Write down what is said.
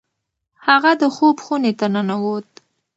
هغه د خوب خونې ته ننوت.